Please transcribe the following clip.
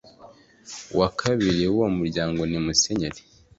wa kabiri w uwo Muryango ni Musenyeri